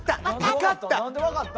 分かった！